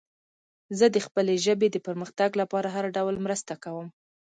زه د خپلې ژبې د پرمختګ لپاره هر ډول مرسته کوم.